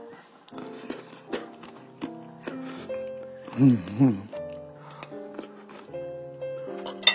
うんうん。